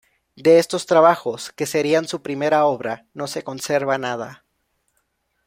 De estos trabajos, que serían su primera obra, no se conserva nada.